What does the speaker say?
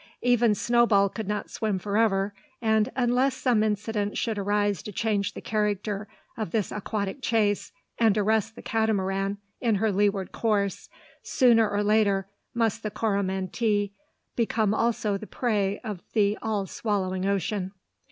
Even Snowball could not swim forever; and, unless some incident should arise to change the character of this aquatic chase, and arrest the Catamaran in her leeward course, sooner or later must the Coromantee become also the prey of the all swallowing ocean.